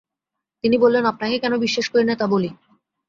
তিনি বললেন, আপনাকে কেন বিশ্বাস করি নে তা বলি।